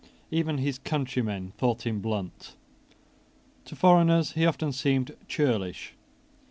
Even his countrymen thought him blunt. To foreigners he often seemed churlish.